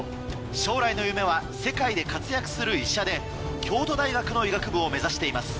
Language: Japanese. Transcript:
将来の夢は世界で活躍する医者で京都大学の医学部を目指しています。